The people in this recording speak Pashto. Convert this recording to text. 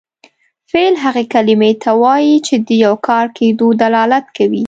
فعل هغې کلمې ته وایي چې د یو کار کیدو دلالت کوي.